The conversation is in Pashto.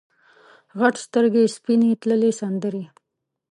غټ سترګې سپینې تللې سندرې